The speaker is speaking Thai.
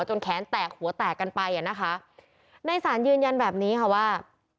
จนแขนแตกหัวแตกกันไปอ่ะนะคะในศาลยืนยันแบบนี้ค่ะว่า